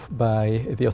chỉ có hai mươi năm